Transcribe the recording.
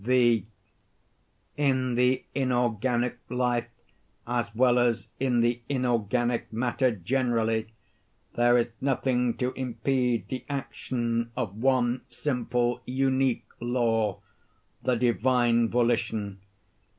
V. In the inorganic life, as well as in the inorganic matter generally, there is nothing to impede the action of one simple unique law—the Divine Volition.